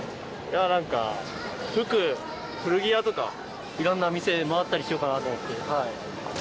なんか、服、古着屋とか、いろんな店回ったりしようかなと思って。